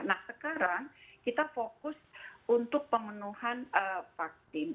nah sekarang kita fokus untuk pemenuhan vaksin